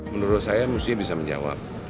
menurut saya musti bisa menjawab